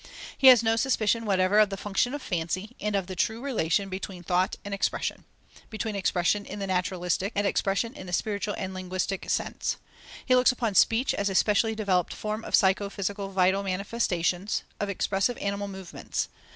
He has no suspicion whatever of the function of fancy, and of the true relation between thought and expression, between expression in the naturalistic, and expression in the spiritual and linguistic sense. He looks upon speech as a specially developed form of psycho physical vital manifestations, of expressive animal movements.